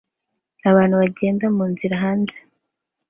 Abantu bagenda munzira hanze